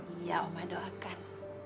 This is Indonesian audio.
iya oma doakan